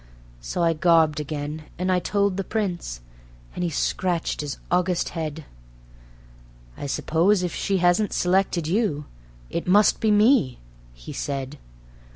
So I garbed again, and I told the Prince, and he scratched his august head; "I suppose if she hasn't selected you, it must be me," he said.